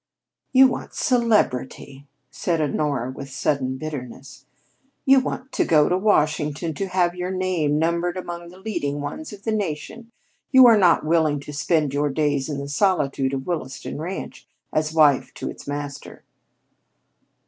"You want celebrity!" said Honora with sudden bitterness. "You want to go to Washington, to have your name numbered among the leading ones of the nation; you are not willing to spend your days in the solitude of Williston Ranch as wife to its master."